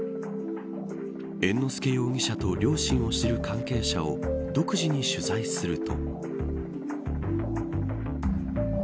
猿之助容疑者と両親を知る関係者を独自に取材すると。